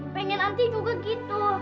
pengen anti juga gitu